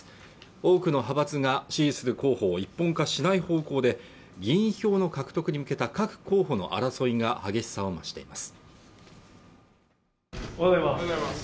多くの派閥が支持する候補を１本化しない方向で議員票の獲得に向けた各候補の争いが激しさを増しています